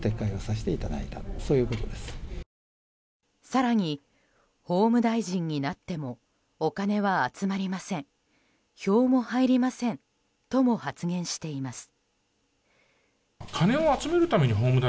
更に、法務大臣になってもお金は集まりません票も入りませんとも発言しています。